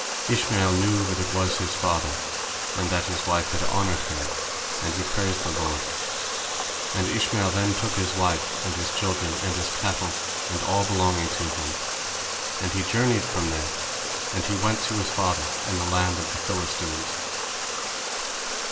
Ishmael knew that it was his father, and that his wife had honored him, and he praised the Lord. And Ishmael then took his wife and his children and his cattle and all belonging to him, and he journeyed from there, and he went to his father in the land of the Philistines.